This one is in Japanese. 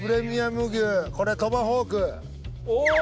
▲犁これトマホーク。